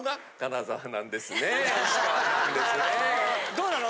どうなの？